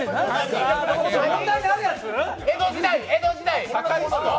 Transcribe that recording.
江戸時代。